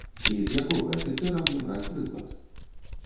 І з якога афіцэра мне браць прыклад?